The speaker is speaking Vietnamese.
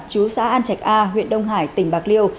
chú xã an trạch a huyện đông hải tỉnh bạc liêu